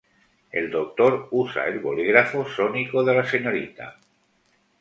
El Doctor usa el bolígrafo sónico de la Srta.